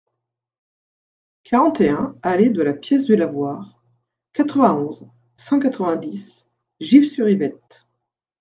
quarante et un allée de la Pièce du Lavoir, quatre-vingt-onze, cent quatre-vingt-dix, Gif-sur-Yvette